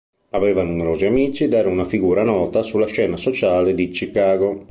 Aveva numerosi amici ed era una figura nota sulla scena sociale di Chicago.